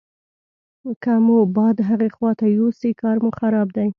که مو باد هغې خواته یوسي کار مو خراب دی.